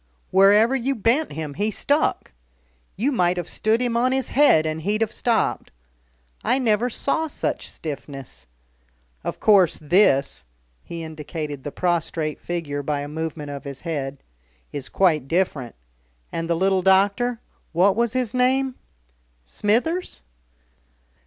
wherever you bent him he stuck. You might have stood him on his head and he'd have stopped. I never saw such stiffness. Of course this" he indicated the prostrate figure by a movement of his head "is quite different. And the little doctor what was his name?" "Smithers?"